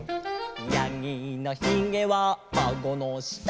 「やぎのひげはあごの下」